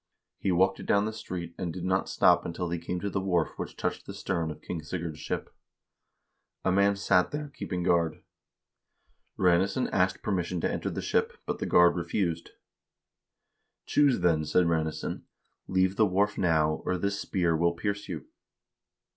He walked down the street, and did not stop until he came to the wharf which touched the stern of King Sigurd's ship. A man sat there keeping guard. Ranesson asked permission to enter the ship, but the guard refused. ' Choose then/ said Ranesson, ' leave the wharf now, or this spear will pierce you.'